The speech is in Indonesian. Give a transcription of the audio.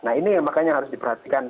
nah ini makanya harus diperhatikan